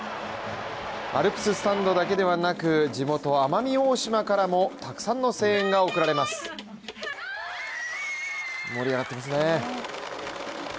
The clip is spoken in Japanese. アルプススタンドだけではなく地元・奄美大島からもたくさんの声援が送られます、盛り上がっていますね。